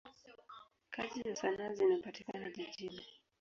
Kazi za sanaa zinapatikana jijini.